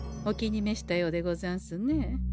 お気にめしたようでござんすね？